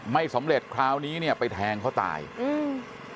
ไม่สำเร็จคราวนี้เนี้ยไปแทงเขาตายอืม